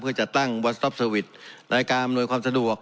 เพื่อจัดตั้งวอร์ดสต็อปสวิตซ์ในการอำนวยความสะดวก